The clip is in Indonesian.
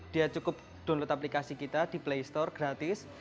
dia cukup download aplikasi kita di playstore gratis